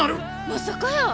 まさかやー。